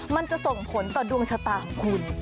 มันจะส่งผลต่อดวงชะตาของคุณ